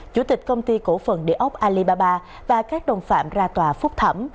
chủ tịch công ty cổ phần địa ốc alibaba và các đồng phạm ra tòa phúc thẩm